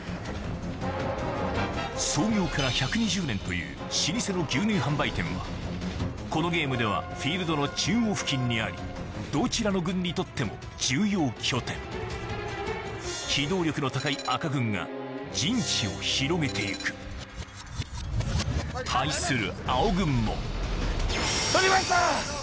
創業から１２０年という老舗の牛乳販売店はこのゲームではフィールドの中央付近にありどちらの軍にとっても重要拠点機動力の高い赤軍が陣地を広げて行く対する青軍も取りました！